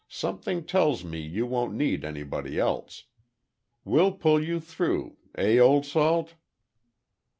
Something tells me you won't need anybody else. We'll pull you through, eh, Old Salt?"